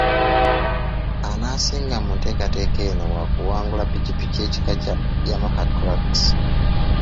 Anaasinga mu nteekateeka eno waakuwangula pikipiki ekika kya Yamaha Crux.